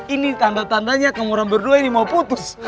ini tanda tandanya kamu orang berdua ini mau putus